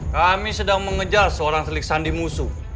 kami sedang mengejar seorang selik sandi musuh